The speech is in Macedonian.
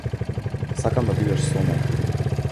Сакам да бидеш со мене.